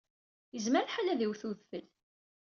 Yezmer lḥal ad d-iwwet udfel.